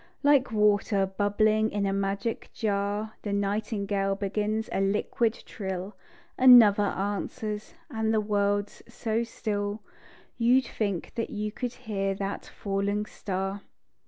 Like water bubbling in a magic jar, The nightingale begins a liquid trill, Another answers; and the world's so still, You'd think that you could hear that falling star.